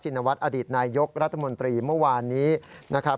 นวัฒนอดีตนายยกรัฐมนตรีเมื่อวานนี้นะครับ